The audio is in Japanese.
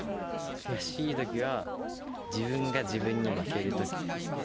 悔しいときは、自分が自分に負けるとき。